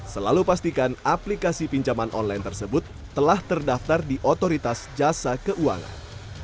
selalu pastikan aplikasi pinjaman online tersebut telah terdaftar di otoritas jasa keuangan